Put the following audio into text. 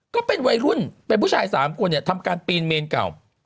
ก็เป็นวัยรุ่นเป็นผู้ชาย๓คนเนี่ยทำการปีนเมนเก่า